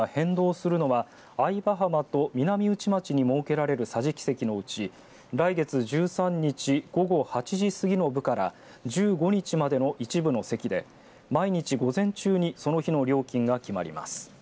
料金が変動するのは藍場浜と南内町に設けられる桟敷席のうち来月１３日午後８時過ぎの部から１５日までの一部の席で毎日午前中にその日の料金が決まります。